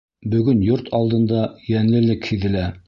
Бөгөн йорт алдында йәнлелек һиҙелә.